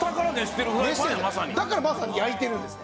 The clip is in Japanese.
だからまさに焼いてるんですね。